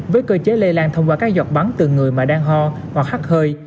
với cơ chế lây lan thông qua các giọt bắn từ người mà đang ho hoặc hắt hơi